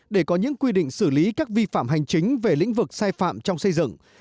để có những quy định xử lý các vi phạm hành chính về lĩnh vực sai phạm trong xây dựng